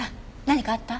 何かあった？